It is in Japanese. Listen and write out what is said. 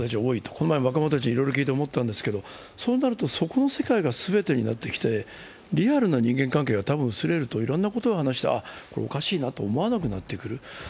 この前若者たちにいろいろ聞いて思ったんですけれども、そうなるとそこの世界が全てになってきて、リアルな人間関係が薄れると、いろいろなことを話してもこれ、おかしいなと思わなくなってくる。